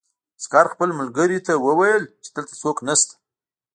عسکر خپل ملګري ته وویل چې دلته څوک نشته